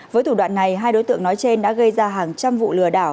với thủ đoạn này hai đối tượng nói trên đã gây ra hàng trăm vụ lừa đảo